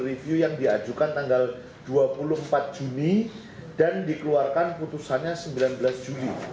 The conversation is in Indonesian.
review yang diajukan tanggal dua puluh empat juni dan dikeluarkan putusannya sembilan belas juli